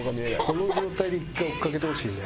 この状態で１回追っかけてほしいね。